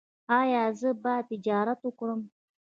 ایا زه باید تجارت وکړم؟